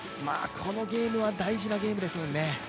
このゲームは大事なゲームですもんね。